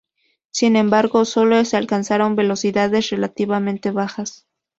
Sin embargo, sólo se alcanzaron velocidades relativamente bajas.